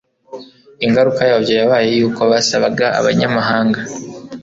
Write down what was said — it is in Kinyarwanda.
Ingaruka yabyo yabaye iy’uko basabaga Abanyamahanga